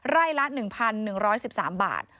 ไร่ละ๑๑๑๓บาท